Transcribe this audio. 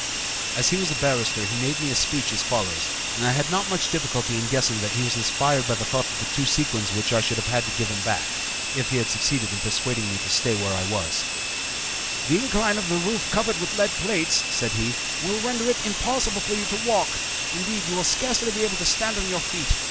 As he was a barrister he made me a speech as follows, and I had not much difficulty in guessing that he was inspired by the thought of the two sequins which I should have had to give him back, if he had succeeded in persuading me to stay where I was: "The incline of the roof covered with lead plates," said he, "will render it impossible for you to walk, indeed you will scarcely be able to stand on your feet.